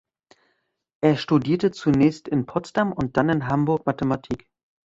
Er studierte zunächst in Potsdam und dann in Hamburg Mathematik.